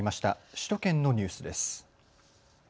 首都圏のニュースです。